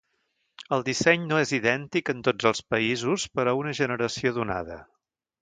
El disseny no és idèntic en tots els països per a una generació donada.